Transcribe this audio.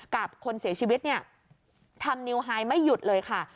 กับคนเสียชีวิตเนี่ยทำนิวไฮไม่หยุดเลยค่ะ